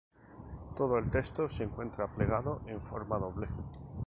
Todo el texto se encuentra plegado en forma doble.